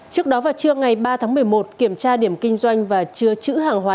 trước đó vào trưa ngày ba tháng một mươi một kiểm tra điểm kinh doanh và chứa chữ hàng hóa